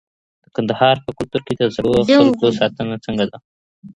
د کندهار په کلتور کي د زړو خلګو ساتنه څنګه ده؟